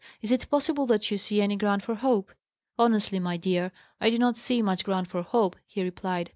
"Is it possible that you see any ground for hope?" "Honestly, my dear, I do not see much ground for hope," he replied.